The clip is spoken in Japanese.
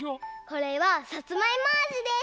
これはさつまいもあじです！